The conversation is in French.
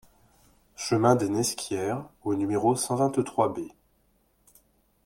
Chemin des Nesquières au numéro cent vingt-trois B